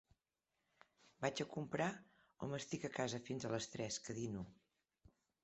Vaig a comprar o m'estic a casa fins a les tres, que dino.